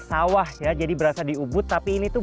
sawah ya jadi berasa di ubud tapi ini tuh